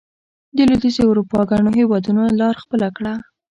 د لوېدیځې اروپا ګڼو هېوادونو لار خپله کړه.